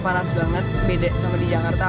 panas banget beda sama di jakarta